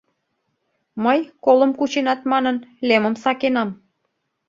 Мый, колым кученат манын, лемым сакенам...